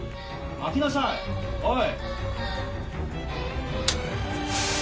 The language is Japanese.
開けなさいおい。